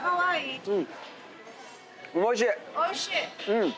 うん。